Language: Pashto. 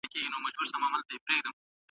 چي سردار دی د ګلونو خو اصیل ګل د ګلاب دی